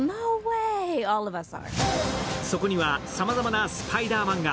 そこにはさまざまなスパイダーマンが。